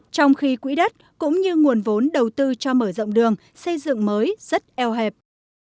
trong khi quỹ đất cũng như nguồn vốn đầu tư cho mở rộng đường xây dựng mới rất eo hẹp